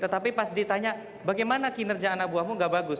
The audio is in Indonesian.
tapi pas ditanya bagaimana kinerja anak buahmu tidak bagus